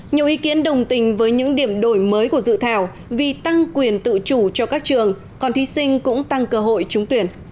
nhiều ý kiến đồng tình với những điểm đổi mới của dự thảo vì tăng quyền tự chủ cho các trường còn thí sinh cũng tăng cơ hội trúng tuyển